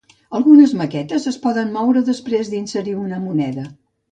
Algunes maquetes es poden moure després d'inserir una moneda.